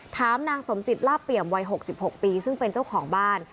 ถามนางสมจิตลาบเปี่ยมวัย๖๖ปีซึ่งเป็นเจ้าของบ้าน